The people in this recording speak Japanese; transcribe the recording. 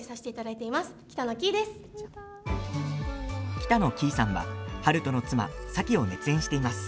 北乃きいさんは春風の妻沙樹を熱演しています。